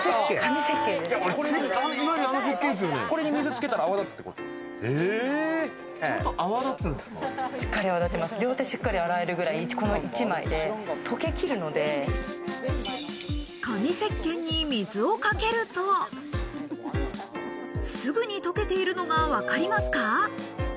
紙石鹸に水をかけると、すぐに溶けているのか分かりますか？